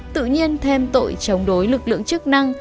tự nhiên thêm tội chống đối lực lượng chức năng